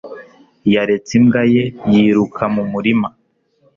Yaretse imbwa ye yiruka mu murima